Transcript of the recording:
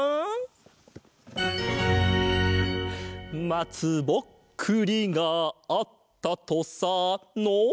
「まつぼっくりがあったとさ」の。